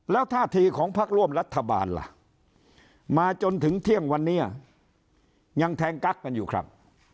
แล้วท่าทีของพักร่วมรัฐบาลล่ะมาจนถึงเที่ยงวันนี้ยังแทงกั๊กกันอยู่ครับ